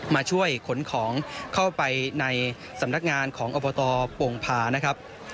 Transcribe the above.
มาช่วยขนของเข้าไปในสำนักงานของอบตโป่งพานะครับ